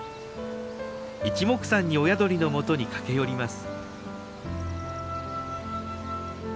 いちもくさんに親鳥のもとに駆け寄ります。